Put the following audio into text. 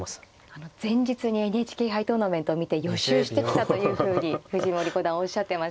あの前日に「ＮＨＫ杯トーナメント」を見て予習してきたというふうに藤森五段おっしゃってました。